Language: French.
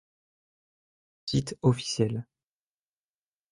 Site officiel.